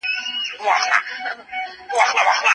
که موږ رښتیا پوه سو نو څوک مو نه غولوي.